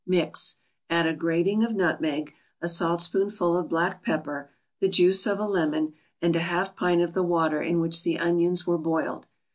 Mix. Add a grating of nutmeg, a saltspoonful of black pepper, the juice of a lemon, and a half pint of the water in which the onions were boiled.